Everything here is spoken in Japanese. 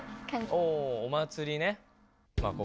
おお祭りね。